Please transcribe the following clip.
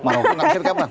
maroko ngaksir kemana